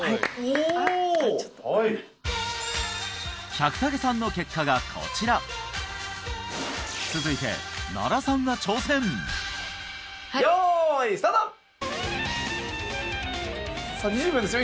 百武さんの結果がこちら続いて用意スタートさあ２０秒ですよ